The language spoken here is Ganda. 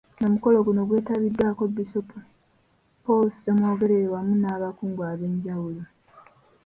Omukolo guno gwetabiddwako Bisopu Paul Ssemwogerere wamu n’abakungu ab’enjawulo.